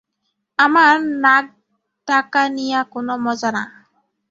আমার নাকদাকা নিয়া কোনো মজা না।